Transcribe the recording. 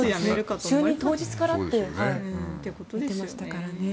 就任当日からって言ってましたからね。